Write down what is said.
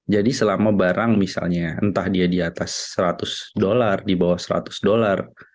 jadi selama barang misalnya entah dia di atas seratus dolar di bawah seratus dolar